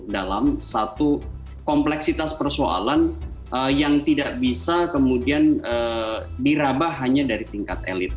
dalam satu kompleksitas persoalan yang tidak bisa kemudian dirabah hanya dari tingkat elit